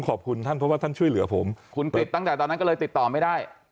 ขอบคุณท่านเพราะว่าท่านช่วยเหลือผมคุณติดตั้งแต่ตอนนั้นก็เลยติดต่อไม่ได้